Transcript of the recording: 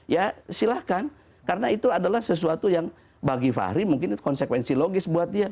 ya silahkan karena itu adalah sesuatu yang bagi fahri mungkin itu konsekuensi logis buat dia